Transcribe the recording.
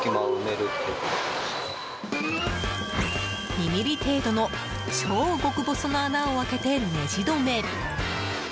２ｍｍ程度の超極細の穴を開けて、ネジ止め。